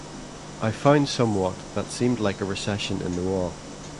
I found somewhat that seemed like a recession in the wall.